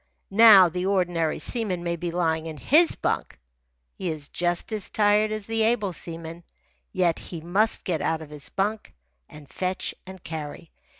Now the ordinary seaman may be lying in his bunk. He is just as tired as the able seaman. Yet he must get out of his bunk and fetch and carry.